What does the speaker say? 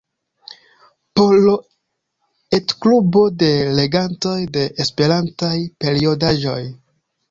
Por etklubo de legantoj de esperantaj periodaĵoj.